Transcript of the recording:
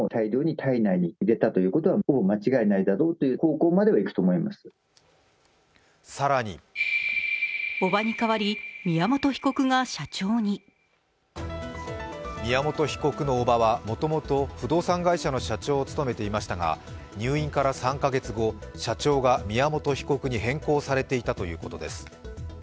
専門家は更に宮本被告の叔母はもともと不動産会社の社長を務めていましたが入院から３か月後、社長が宮本被告に変更されていたということです。